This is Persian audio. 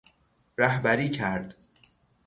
رهبری کرد